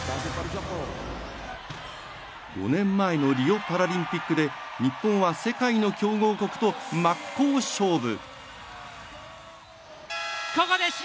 ５年前のリオパラリンピックで日本は、世界の強豪国と真っ向勝負。